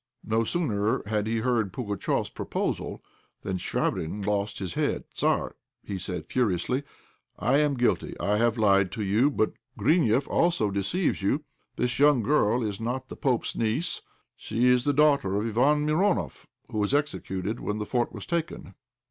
No sooner had he heard Pugatchéf's proposal than Chvabrine lost his head. "Tzar," said he, furiously, "I am guilty, I have lied to you; but Grineff also deceives you. This young girl is not the pope's niece; she is the daughter of Iván Mironoff, who was executed when the fort was taken."